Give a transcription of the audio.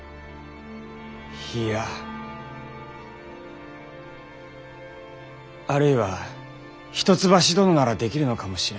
いいやあるいは一橋殿ならできるのかもしれぬ。